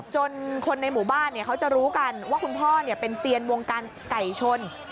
จนคนในหมู่บ้านเขาจะรู้กันว่าคุณพ่อเป็นเซียนวงการไก่ชน